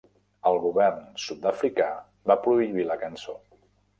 El govern sud-africà va prohibir la cançó.